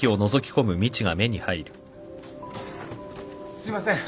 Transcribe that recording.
・すいません。